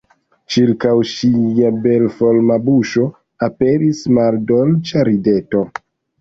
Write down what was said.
Ĉirkaŭ ŝia belforma buŝo aperis maldolĉa rideto.